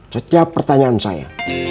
setiap pertanyaan saya